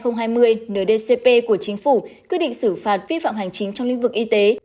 nơi dcp của chính phủ quy định xử phạt vi phạm hành chính trong lĩnh vực y tế